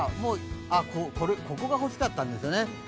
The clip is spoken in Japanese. ここが欲しかったんですよね。